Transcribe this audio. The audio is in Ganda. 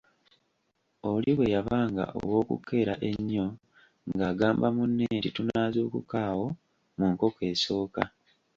Oli bwe yabanga ow'okukeera ennyo ng'agamba munne nti ,tunaazuukuka awo mu nkoko esooka.